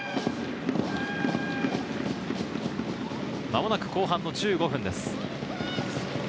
間もなく後半１５分です。